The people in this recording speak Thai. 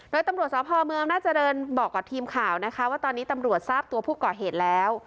โดยตำรวจสพเมืองอำนาจริงบอกกับทีมข่าวนะคะว่าตอนนี้ตำรวจทราบตัวผู้ก่อเหตุแล้ว